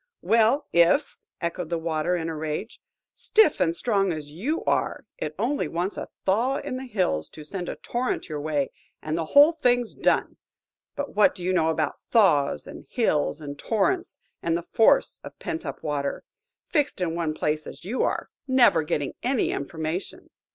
well, if!" echoed the Water in a rage. "Stiff and strong as you are, it only wants a thaw in the hills to send a torrent your way, and the whole thing's done. But what do you know about thaws, and hills, and torrents, and the force of pent up water, fixed in one place as you are, and never getting any information?